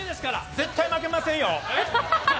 絶対負けませんよ！